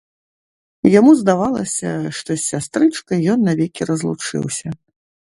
Яму здавалася, што з сястрычкай ён навекі разлучыўся.